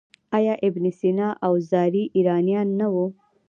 آیا ابن سینا او رازي ایرانیان نه وو؟